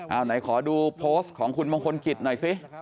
เอาไหนขอดูโพสต์ของคุณมงคลกิจหน่อยสิ